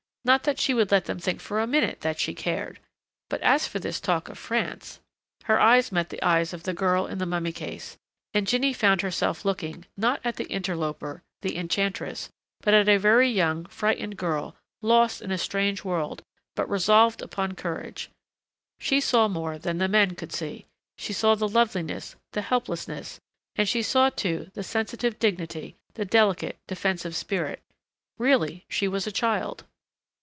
Not that she would let them think for a minute that she cared.... But as for this talk of France Her eyes met the eyes of the girl in the mummy case. And Jinny found herself looking, not at the interloper, the enchantress, but at a very young, frightened girl, lost in a strange world, but resolved upon courage. She saw more than the men could see. She saw the loveliness, the helplessness, and she saw too the sensitive dignity, the delicate, defensive spirit.... Really, she was a child.